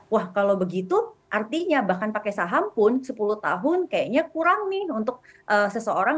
wah kalau begitu artinya bahkan pakai saham pun sepuluh tahun kayaknya kurang nih untuk seseorang